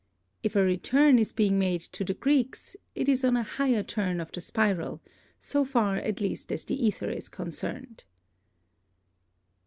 If a return is being made to the Greeks it is on a higher turn of the spiral, so far at least as the ether is concerned.